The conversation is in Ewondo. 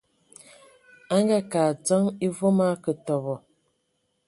A ngaake a adzəŋ e voom a akǝ tɔbɔ.